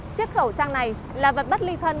chiếc khẩu trang này là vật bất ly thân